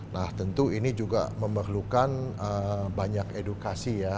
nah tentu ini juga memerlukan banyak edukasi ya